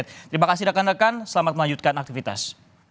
terima kasih rekan rekan selamat melanjutkan aktivitas